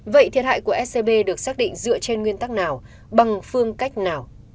vậy thiệt hại của scb được xác định dựa trên nguyên tắc nào bằng phương cách nào